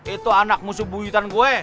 itu anak musuh buyutan gue